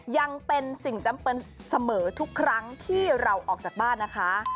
ยังเป็นสิ่งจำเป็นเสมอทุกครั้งที่เราออกจากบ้านนะคะ